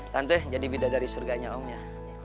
tante jadi bidadari surganya om ya